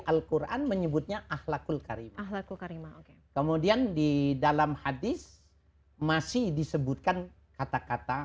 alquran menyebutnya ahlakul karimah kemudian di dalam hadits masih disebutkan kata kata